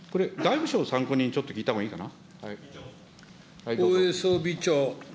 これ、外務省参考人、ちょっと聞いたほうがいいかな。